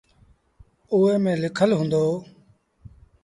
اُئي ميݩ لکل هُݩدو۔